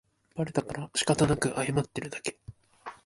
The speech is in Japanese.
バレたからしかたなく謝ってるだけ